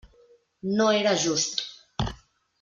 No era just.